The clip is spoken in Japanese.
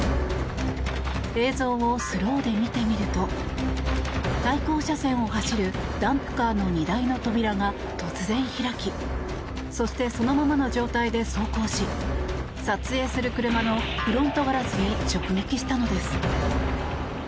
映像をスローで見てみると対向車線を走るダンプカーの荷台の扉が突然開きそして、そのままの状態で走行し撮影する車のフロントガラスに直撃したのです。